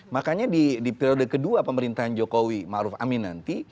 makanya di periode kedua pemerintahan jokowi ma'ruf aminanti